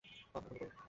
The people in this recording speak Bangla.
আহ, এখনো গরম।